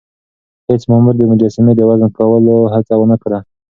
هیڅ مامور د مجسمې د وزن کولو هڅه ونه کړه.